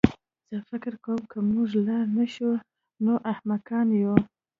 زه فکر کوم که موږ لاړ نه شو نو احمقان یو